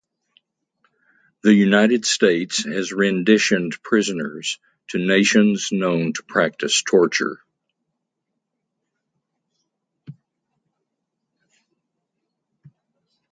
The United States has "renditioned" prisoners to nations known to practice torture.